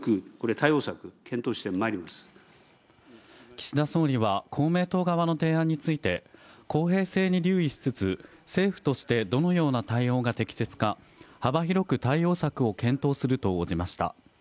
岸田総理は公明党側の提案について、公平性に留意しつつ、政府としてどのような対応が適切か幅広く対応策を検討すると応じました。